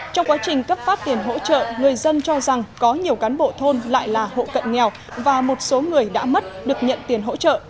trong quá trình cấp phát tiền hỗ trợ người dân cho rằng có nhiều cán bộ thôn lại là hộ cận nghèo và một số người đã mất được nhận tiền hỗ trợ